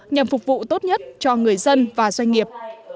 nhằm phục vụ tốt nhất cho người dân và doanh nghiệp